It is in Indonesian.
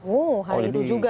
oh hari itu juga